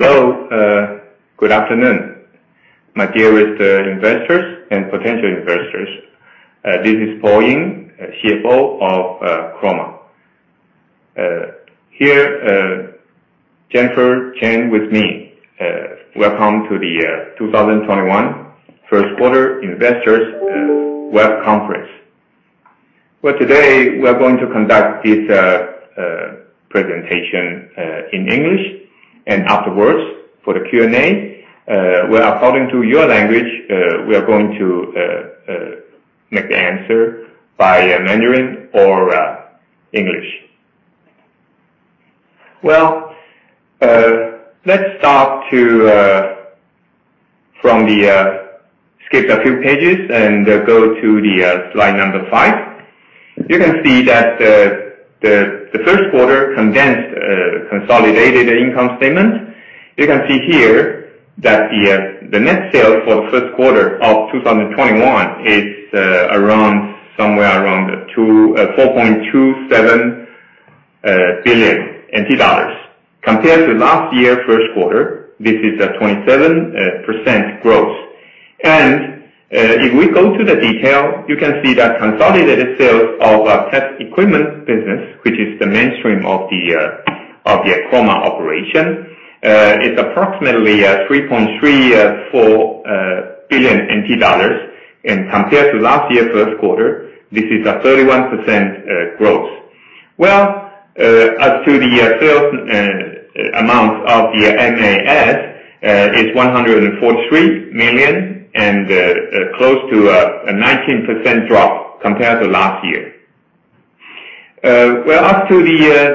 Hello. Good afternoon, my dearest investors and potential investors. This is Paul Ying, CFO of Chroma. Here, Jennifer Chien with me. Welcome to the 2021 first quarter investors web conference. Well, today, we're going to conduct this presentation in English, and afterwards for the Q&A, according to your language, we are going to make the answer by Mandarin or English. Well, let's start from the Skip a few pages and go to the slide number five. You can see that the first quarter consolidated income statement. You can see here that the net sales for the first quarter of 2021 is somewhere around 4.27 billion NT dollars. Compared to last year first quarter, this is a 27% growth. If we go to the detail, you can see that consolidated sales of our test equipment business, which is the mainstream of the Chroma operation, is approximately 3.34 billion NT dollars. Compared to last year first quarter, this is a 31% growth. As to the sales amount of the MAS is 143 million and close to a 19% drop compared to last year. As to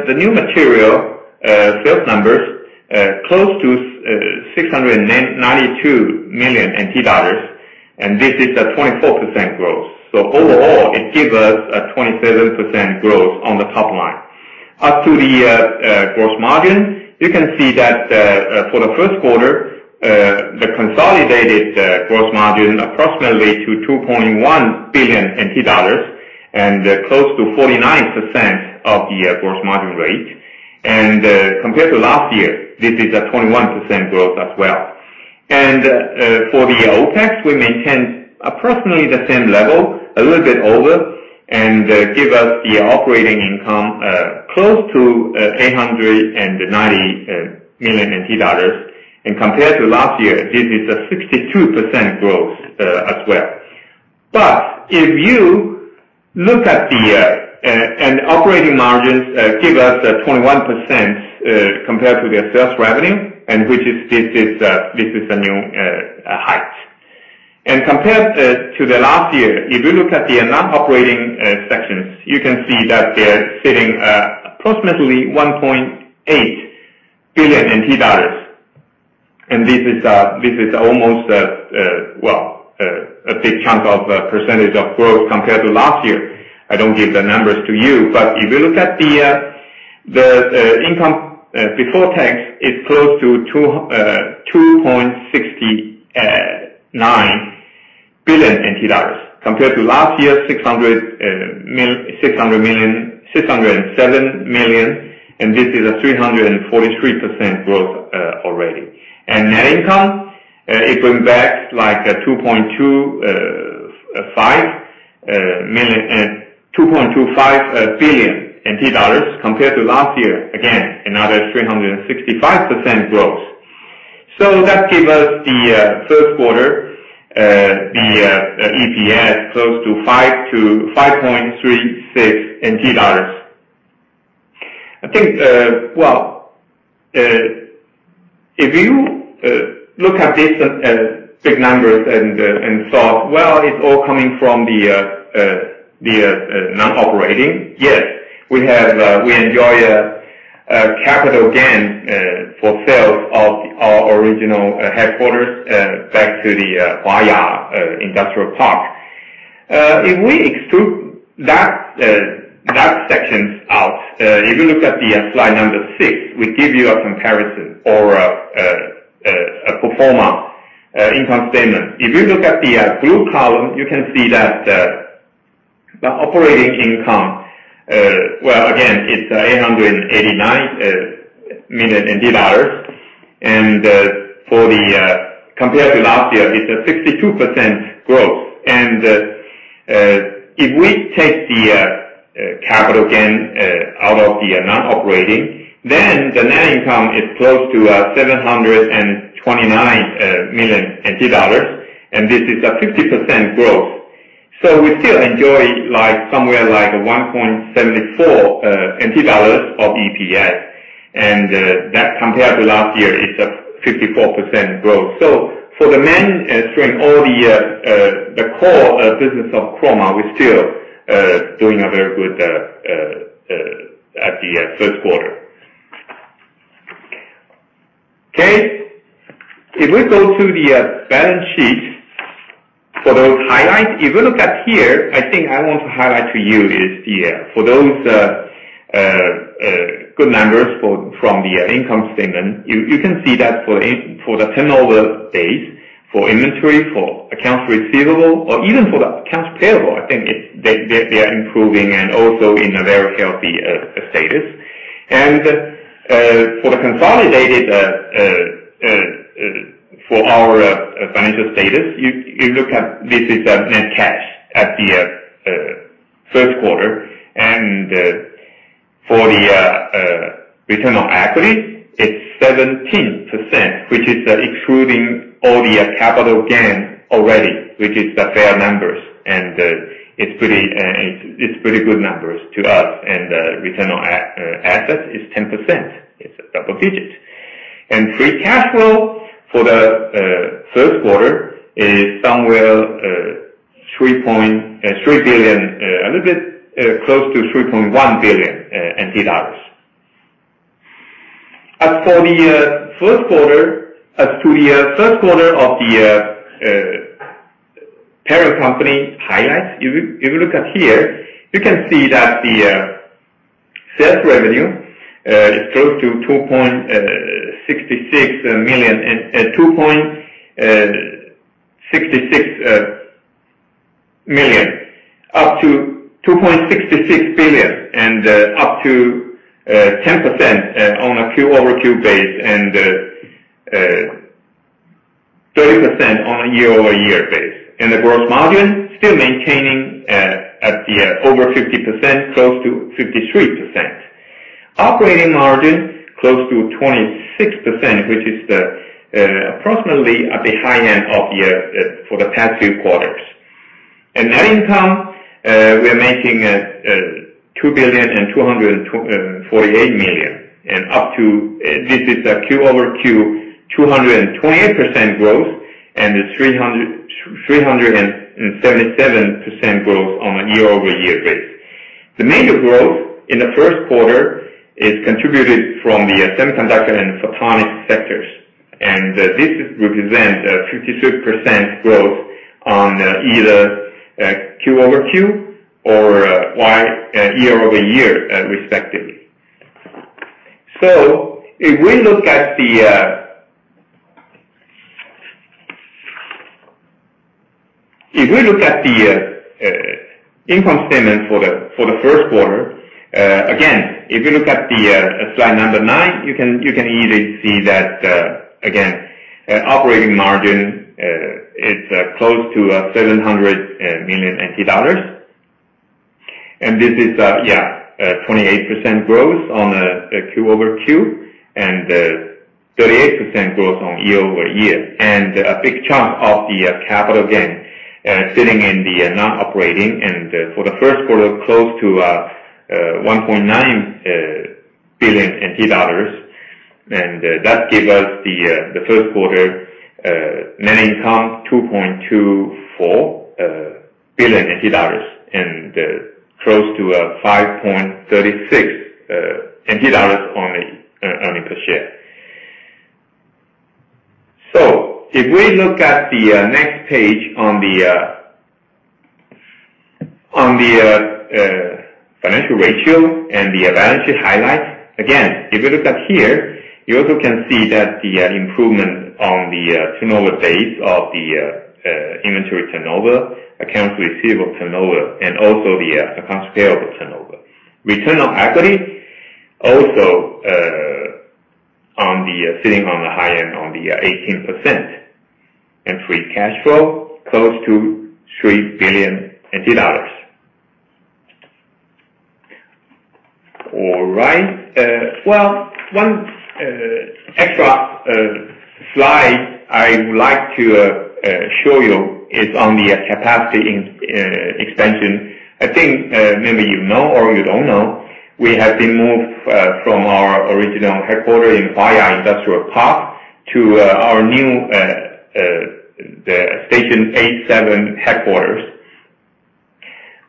the new material sales numbers, close to TWD 692 million, and this is a 24% growth. Overall, it gives us a 27% growth on the top line. As to the gross margin, you can see that for the first quarter, the consolidated gross margin approximately to 2.1 billion NT dollars and close to 49% of the gross margin rate. Compared to last year, this is a 21% growth as well. For the OPEX, we maintained approximately the same level, a little bit over, and give us the operating income close to 890 million dollars. Compared to last year, this is a 62% growth as well. If you look at the operating margins give us 21% compared to the sales revenue, which is this is a new height. Compared to the last year, if you look at the non-operating sections, you can see that they're sitting approximately 1.8 billion NT dollars. This is almost a big chunk of percentage of growth compared to last year. I don't give the numbers to you. If you look at the income before tax, it's close to TWD 2.69 billion compared to last year, 607 million, and this is a 343% growth already. Net income, it went back like TWD 2.25 billion compared to last year. Again, another 365% growth. That give us the first quarter, the EPS close to TWD 5.36. I think, well, if you look at this as big numbers and thought, "Well, it's all coming from the non-operating." Yes, we enjoy a capital gain for sales of our original headquarters back to the Hwa-Ya Technology Park. If we exclude that sections out, if you look at the slide number six, we give you a comparison or a pro forma income statement. If you look at the blue column, you can see that the operating income, well, again, it's TWD 889 million. Compared to last year, it's a 62% growth. If we take the capital gain out of the non-operating, then the net income is close to 729 million NT dollars, and this is a 50% growth. We still enjoy somewhere like 1.74 NT dollars of EPS. That compared to last year, it's a 54% growth. For the mainstream, all the core business of Chroma, we're still doing a very good at the first quarter. Okay. If we go to the balance sheet for those highlights, if you look at here, I think I want to highlight to you is for those good numbers from the income statement, you can see that for the turnover days for inventory, for accounts receivable, or even for the accounts payable, I think they are improving and also in a very healthy status. For the consolidated for our financial status, you look at this is net cash at the first quarter, and for the return on equity, it's 17%, which is excluding all the capital gains already, which is the fair numbers. It's pretty good numbers to us. Return on assets is 10%. It's a double digit. Free cash flow for the first quarter is somewhere 3 billion, a little bit close to 3.1 billion NT dollars. As for the first quarter of the parent company highlights, if you look at here, you can see that the sales revenue is close to 2.66 million, up to 2.66 billion and up to 10% on a Q-over-Q base and 30% on a year-over-year base. The gross margin still maintaining at the over 50%, close to 53%. Operating margin close to 26%, which is approximately at the high end for the past few quarters. Net income, we are making 2,248 million and up to, this is a Q-over-Q, 228% growth and a 377% growth on a year-over-year base. The major growth in the first quarter is contributed from the semiconductor and photonic sectors. This represents a 53% growth on either quarter-over-quarter or year-over-year respectively. If we look at the income statement for the first quarter, again, if you look at the slide number nine, you can easily see that, again, operating margin is close to 700 million NT dollars. This is a 28% growth on a quarter-over-quarter and a 38% growth on year-over-year. A big chunk of the capital gain sitting in the non-operating and for the first quarter, close to 1.9 billion NT dollars. That gave us the first quarter net income, 2.24 billion NT dollars and close to 5.36 NT dollars on the earnings per share. If we look at the next page on the financial ratio and the balance sheet highlights, again, if you look at here, you also can see that the improvement on the turnover days of the inventory turnover, accounts receivable turnover, and also the accounts payable turnover. Return on equity also sitting on the high end on the 18%. Free cash flow close to 3 billion dollars. All right. One extra slide I would like to show you is on the capacity expansion. I think maybe you know or you don't know, we have been moved from our original headquarter in Hwa-Ya Technology Park to our new A7 headquarters.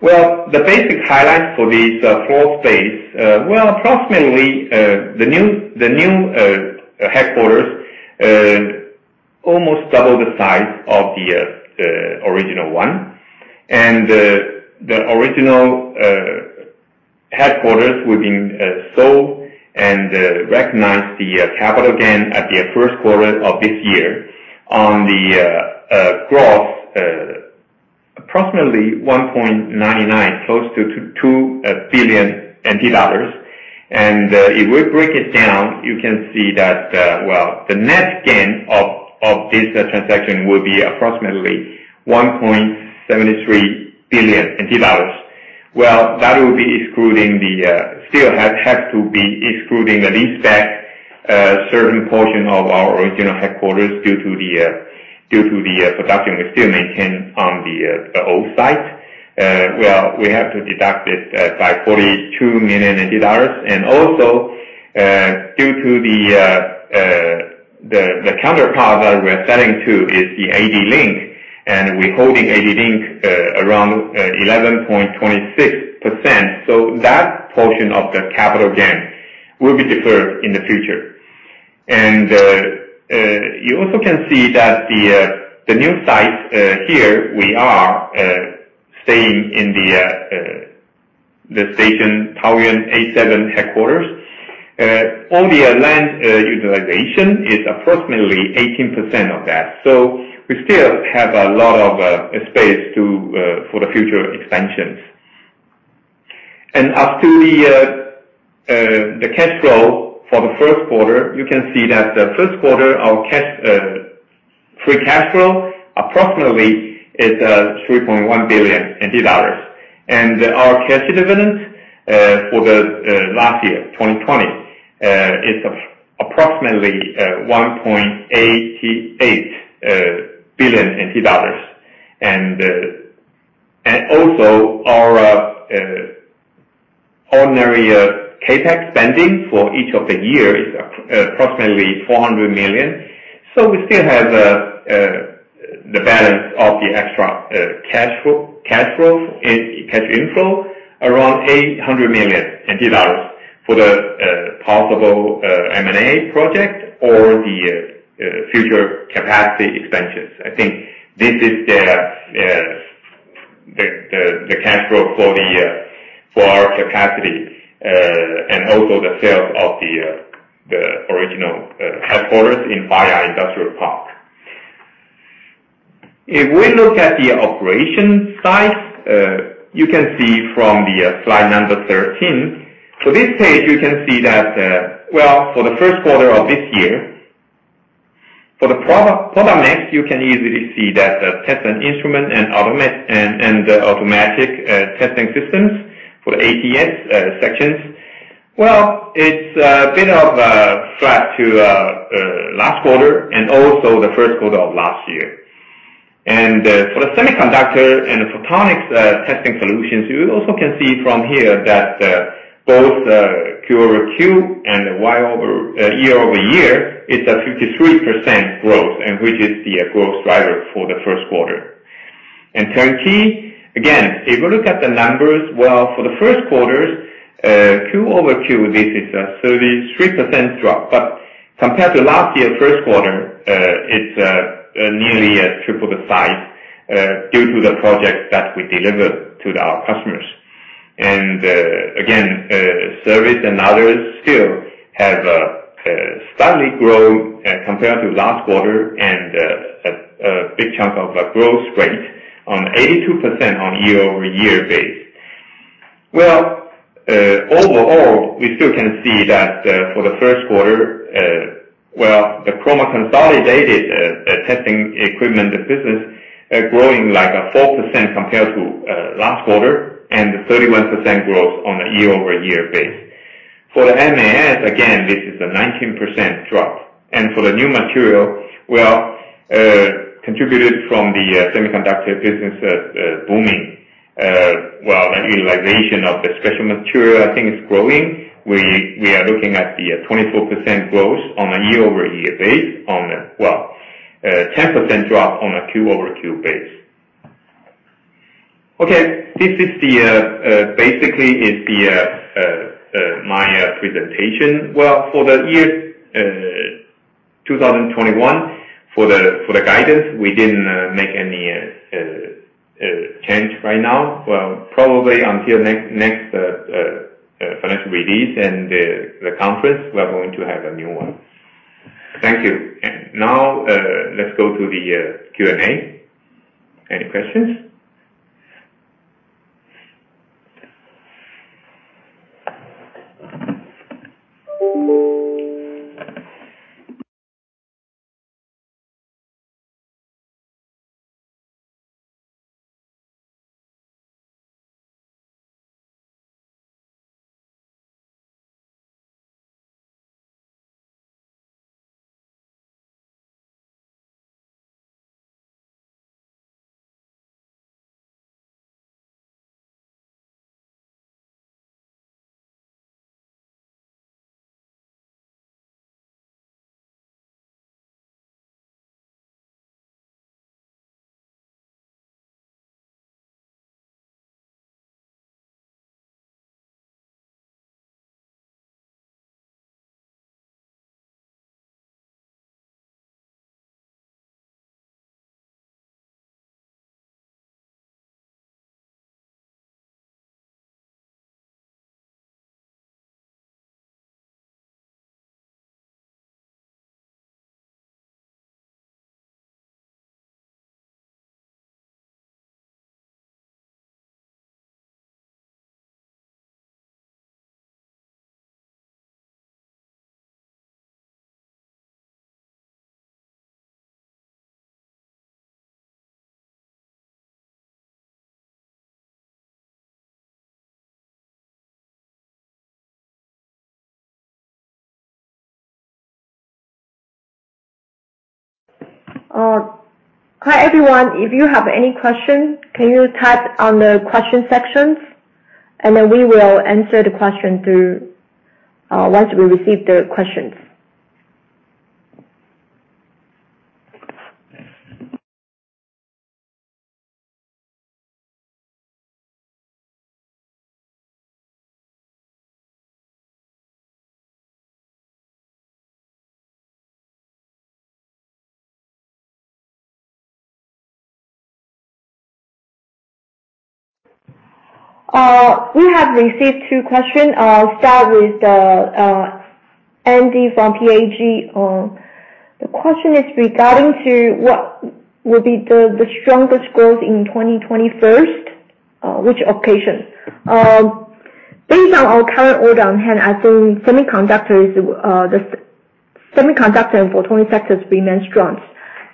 The basic highlights for these floor space, approximately, the new headquarters almost double the size of the original one. The original headquarters was sold and recognize the capital gain at the first quarter of this year on the gross approximately 1.99 billion, close to 2 billion NT dollars. If we break it down, you can see that the net gain of this transaction will be approximately 1.73 billion NT dollars. That will be excluding at least that certain portion of our original headquarters due to the production we still maintain on the old site. We have to deduct it by 42 million dollars. Also due to the counterpart that we're selling to is the ADLINK, and we're holding ADLINK around 11.26%. That portion of the capital gain will be deferred in the future. You also can see that the new site, here we are staying in the station, Taoyuan A7 headquarters. Land utilization is approximately 18% of that. We still have a lot of space for the future expansions. As to the cash flow for the first quarter, you can see that the first quarter, our free cash flow approximately is TWD 3.1 billion. Our cash dividends for the last year, 2020, is approximately 1.88 billion NT dollars. Also our ordinary CapEx spending for each of the year is approximately 400 million. We still have the balance of the extra cash inflow, around 800 million NT dollars for the possible M&A project or the future capacity expansions. I think this is the cash flow for our capacity, and also the sales of the original headquarters in Hsinchu Industrial Park. If we look at the operation side, you can see from the slide number 13. For this page, you can see that for the first quarter of this year, for the product mix, you can easily see that the test and instrument and the automatic testing systems for the ATS sections. Well, it's a bit of a flat to last quarter, and also the first quarter of last year. For the semiconductor and the photonics testing solutions, you also can see from here that both Q-over-Q and year over year is a 53% growth and which is the growth driver for the first quarter. In turnkey, again, if you look at the numbers, well, for the first quarters Q-over-Q, this is a 33% drop. Compared to last year first quarter, it's nearly triple the size due to the projects that we delivered to our customers. Again, service and others still have slightly grown compared to last quarter and a big chunk of growth rate on 82% on year-over-year base. Overall, we still can see that for the first quarter, the Chroma consolidated testing equipment business growing like a 4% compared to last quarter and 31% growth on a year-over-year base. For the MAS, again, this is a 19% drop. For the new material, contributed from the semiconductor business booming. The utilization of the special material I think is growing. We are looking at the 24% growth on a year-over-year base, 10% drop on a Q-over-Q base. Okay, this basically is my presentation. For the year 2021, for the guidance, we didn't make any change right now. Well, probably until next financial release and the conference, we are going to have a new one. Thank you. Now, let's go to the Q&A. Any questions? Hi, everyone. If you have any questions, can you type on the question sections? Then we will answer the question once we receive the questions. We have received two questions. I'll start with Andy from PAG. The question is regarding to what will be the strongest growth in 2021, which occasion? Based on our current order on hand, I think the semiconductor and photonic sectors remain strong,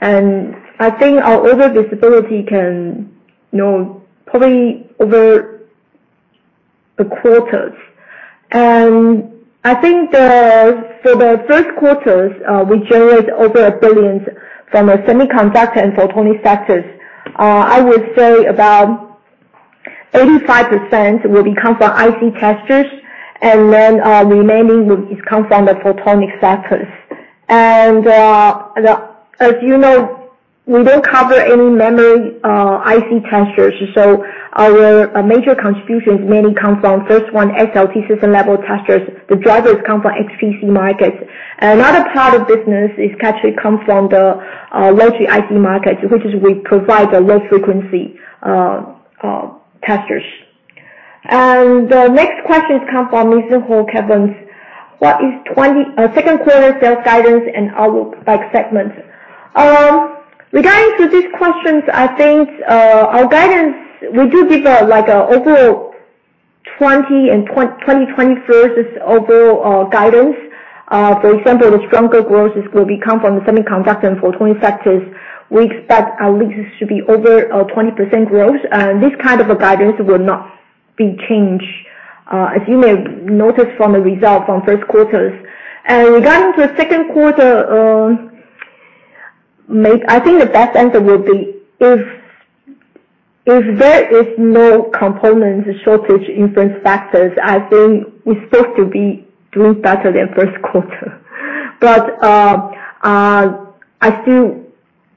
and I think our order visibility can probably over the quarters. I think that for the first quarters, we generate over 1 billion from the semiconductor and photonic sectors. I would say about 85% will come from IC testers, and then remaining will come from the photonic sectors. As you know, we don't cover any memory IC testers, so our major contributions mainly come from, first one, SLT system-level testers. The drivers come from HPC markets. Another part of business actually comes from the logic IC markets, which is we provide the low frequency testers. The next questions come from Mizuho, Kevin. What is second quarter sales guidance and outlook by segment? Regarding to these questions, I think our guidance, we do give overall 20 and 2021st is overall guidance. For example, the stronger growth will come from the semiconductor and photonic sectors. We expect at least it should be over a 20% growth, and this kind of a guidance will not be changed, as you may have noticed from the results on first quarters. Regarding to the second quarter, I think the best answer will be, if there is no component shortage influence factors, I think we're supposed to be doing better than first quarter.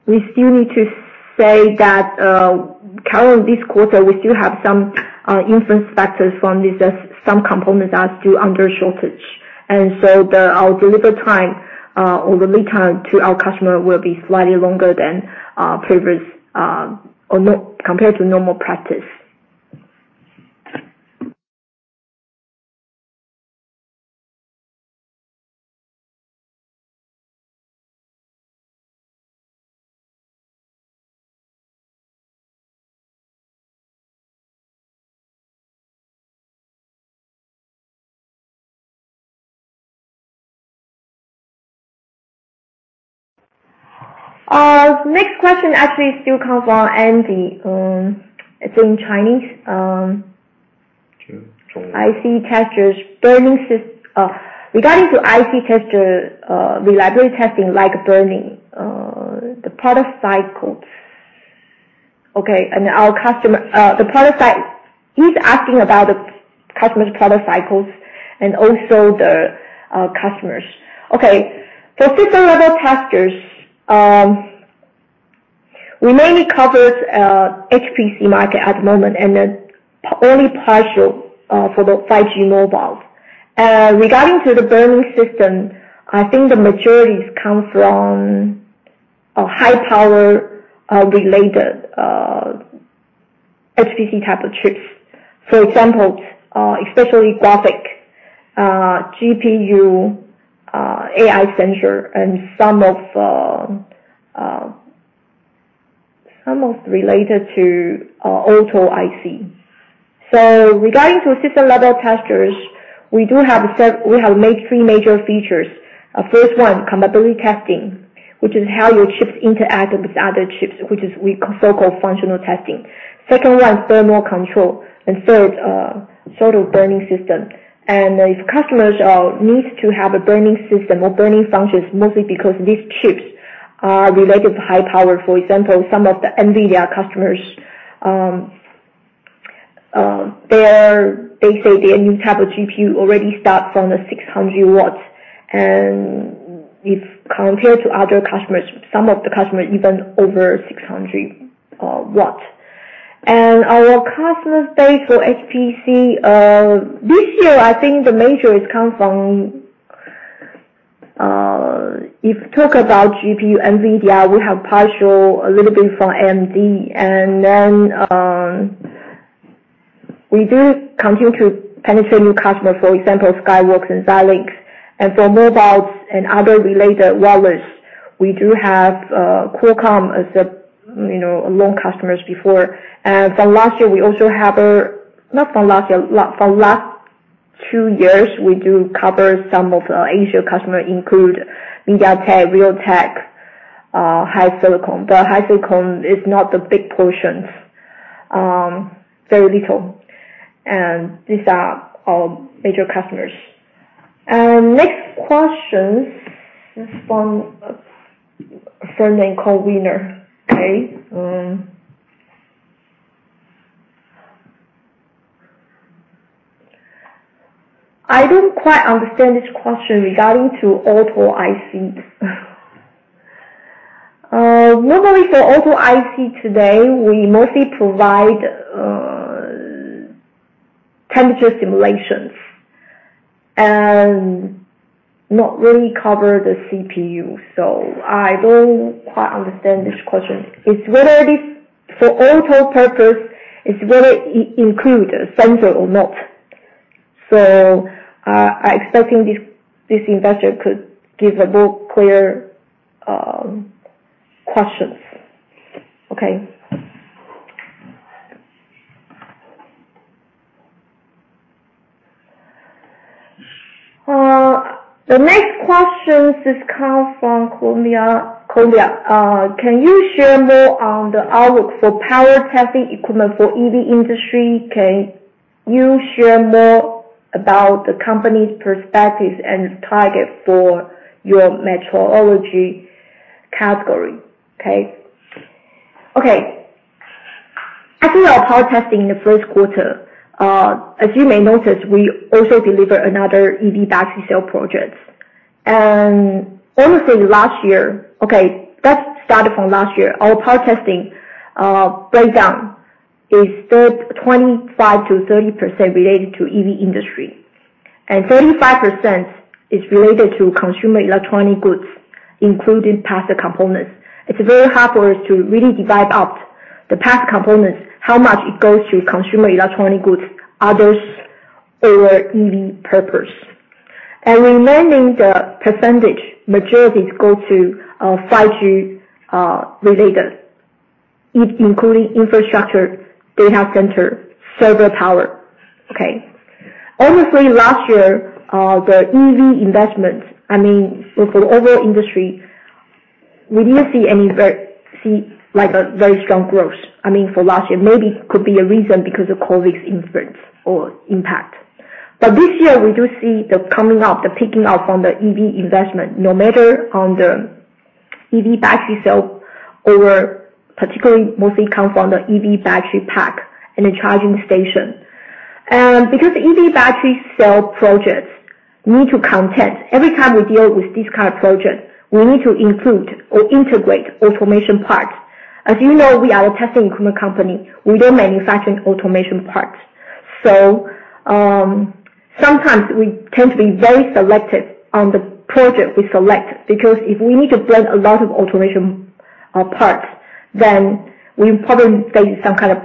We still need to say that currently this quarter, we still have some influence factors from this, as some components are still under shortage. Our delivery time or the lead time to our customer will be slightly longer than previous, or compared to normal practice. Next question actually still comes from Andy. It's in Chinese. Sure. IC testers. Regarding to IC tester, reliability testing like burn-in, the product cycles. He's asking about the customer's product cycles and also the customers. For system level testers, we mainly cover HPC market at the moment, and only partial for the 5G mobiles. Regarding to the burn-in system, I think the majorities come from high power related HPC type of chips. For example, especially graphic GPU, AI sensor, and some of related to auto IC. Regarding to system level testers, we have three major features. First one, compatibility testing, which is how your chips interact with other chips, which is so-called functional testing. Second one, thermal control. Third, sort of burn-in system. If customers need to have a burn-in system or burn-in functions, mostly because these chips are related to high power. For example, some of the NVIDIA customers, they say their new type of GPU already starts from 600 watts. If compared to other customers, some of the customers even over 600 watts. Our customer base for HPC, this year, I think the major comes from, if talk about GPU, NVIDIA, we have partial, a little bit from AMD. Then, we do continue to penetrate new customers, for example, Skyworks and Xilinx. For mobiles and other related wireless, we do have Qualcomm as long customers before. From last year we also have, not from last year, from last two years, we do cover some of Asia customer, include MediaTek, Realtek, HiSilicon. HiSilicon is not the big portions. Very little. These are our major customers. Next question is from a surname called Wiener. Okay. I don't quite understand this question regarding to auto IC. Normally, for auto IC today, we mostly provide temperature simulations, and not really cover the CPU. I don't quite understand this question. It's whether this, for auto purpose, it's whether it includes a sensor or not. I'm expecting this investor could give a more clear questions. Okay. The next questions is come from Kolia. Can you share more on the outlook for power testing equipment for EV industry? Can you share more about the company's perspectives and target for your metrology category? Okay. As with our power testing in the first quarter, as you may notice, we also deliver another EV battery cell projects. Honestly, let's start it from last year. Our power testing breakdown is still 25%-30% related to EV industry, and 35% is related to consumer electronic goods, including passive components. It is very hard for us to really divide up the past components, how much it goes to consumer electronic goods, others, or EV purpose. Remaining the percentage, majority go to 5G related, including infrastructure, data center, server power. Okay. Honestly, last year, the EV investment, I mean, for the overall industry, we did not see a very strong growth. I mean, for last year. Maybe could be a reason because of COVID's influence or impact. This year, we do see the coming up, the picking up from the EV investment, no matter on the EV battery cell or particularly mostly come from the EV battery pack and the charging station. EV battery cell projects need to contain. Every time we deal with this kind of project, we need to include or integrate automation parts. As you know, we are a testing equipment company. We do not manufacture automation parts. Sometimes we tend to be very selective on the project we select, because if we need to bring a lot of automation parts, then we probably face some kind of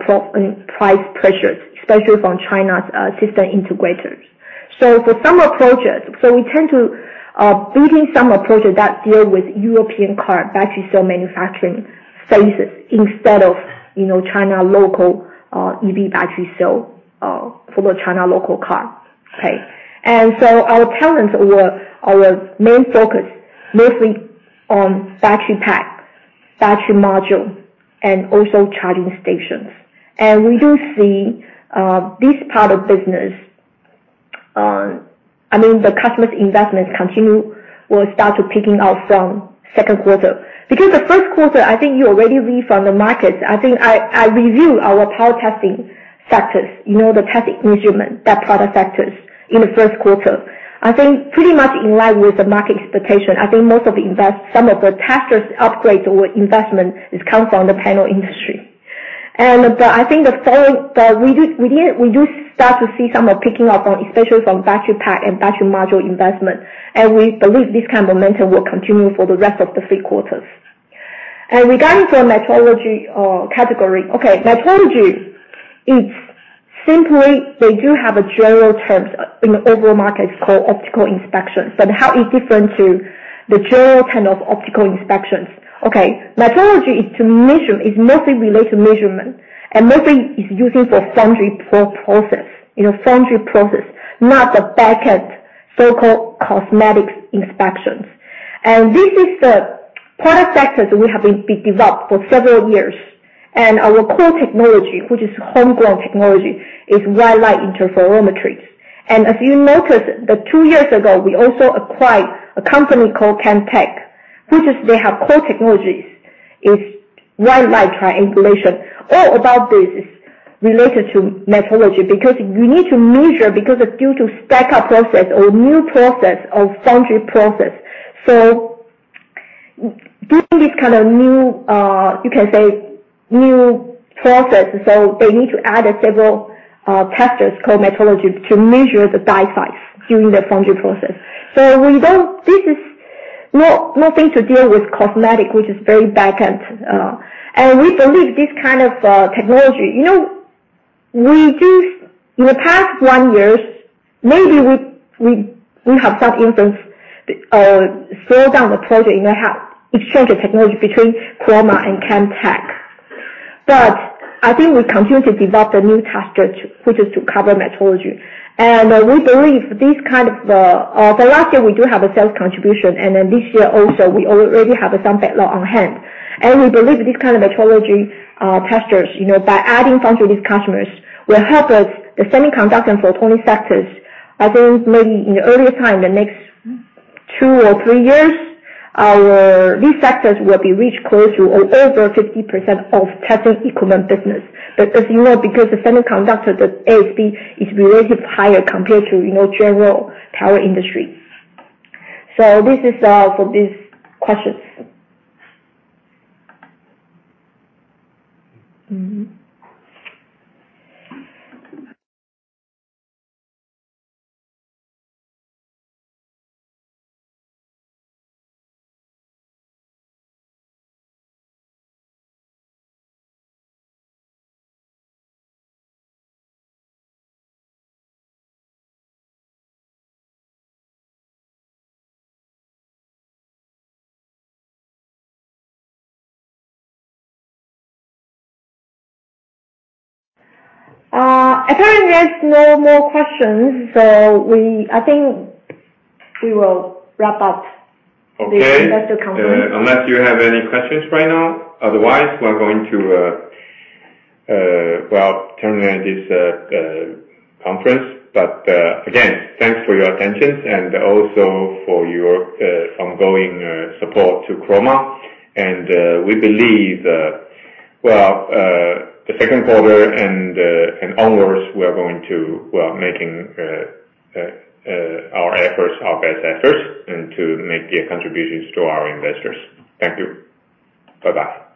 price pressures, especially from China's system integrators. For some projects, we tend to building some projects that deal with European car battery cell manufacturing phases instead of China local EV battery cell for the China local car. Okay. Our talents or our main focus mostly on battery pack, battery module, and also charging stations. We do see this part of business, I mean, the customer's investments continue or start to picking up from second quarter. The first quarter, I think you already read from the markets, I think I reviewed our power testing sectors, the testing measurement, that product sectors in the first quarter. I think pretty much in line with the market expectation. I think some of the testers upgrade or investment is coming from the panel industry. I think we do start to see some are picking up on, especially from battery pack and battery module investment, and we believe this kind of momentum will continue for the rest of the three quarters. Regarding for metrology category, okay, metrology, it's simply they do have a general terms in the overall market, it's called optical inspection. How is different to the general kind of optical inspections? Okay, metrology is to measure, is mostly related to measurement, and mostly is using for foundry process. In a foundry process, not the back-end so-called cosmetics inspections. This is the product sector that we have been developed for several years. Our core technology, which is homegrown technology, is white light interferometry. As you notice that two years ago, we also acquired a company called Camtek, which is they have core technologies, is white light triangulation. All about this is related to metrology, because you need to measure because of due to stack-up process or new process of foundry process. Doing this kind of, you can say, new process, so they need to add several testers called metrology to measure the die size during the foundry process. This is nothing to deal with cosmetic, which is very back end. We believe this kind of technology In the past one years, maybe we have some influence or slow down the project in exchange of technology between Chroma and Camtek. I think we continue to develop the new tester, which is to cover metrology. Last year, we do have a sales contribution, this year also, we already have some backlog on hand. We believe this kind of metrology testers, by adding foundry to these customers, will help us, the semiconductor and photonic sectors, I think maybe in the earlier time, the next two or three years, these sectors will be reached close to or over 50% of testing equipment business. As you know, because the semiconductor, the ASP is relatively higher compared to general power industry. This is all for these questions. Apparently there is no more questions, I think we will wrap up this investor conference. Okay. Unless you have any questions right now, otherwise, we're going to, well, terminate this conference. Again, thanks for your attention and also for your ongoing support to Chroma. We believe, well the second quarter and onwards, we are going to making our best efforts and to make the contributions to our investors. Thank you. Bye-bye.